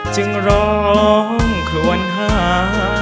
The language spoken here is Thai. จึงร้องครวนหา